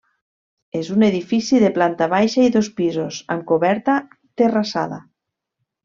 És un edifici de planta baixa i dos pisos amb coberta terrassada.